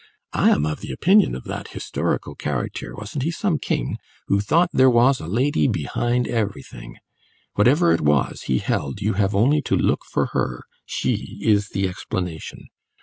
I am of the opinion of that historical character wasn't he some king? who thought there was a lady behind everything. Whatever it was, he held, you have only to look for her; she is the explanation.